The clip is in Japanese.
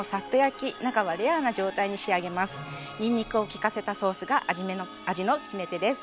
にんにくを利かせたソースが味の決め手です。